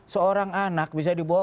seorang anak bisa dibokar